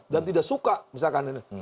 dan tidak suka misalkan ini